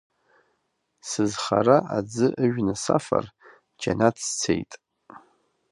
Сызхара аӡы ыжәны сафар, џьанаҭ сцеит.